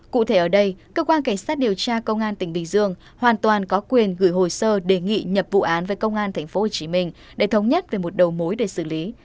cụ thể ở đây cơ quan cảnh sát điều tra công an tỉnh bình dương hoàn toàn có quyền gửi hồ sơ đề nghị nhập vụ án với công an tp hcm để thống nhất về một đầu mối để xử lý